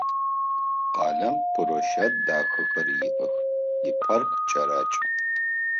Къалэм площадь дахэхэр иӏэх, ипарк кӏэракӏ.